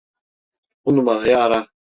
Bu numarayı ara.